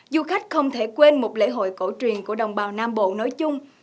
du khách không thể quên một lễ hội cổ truyền của đồng bào nam bộ nói chung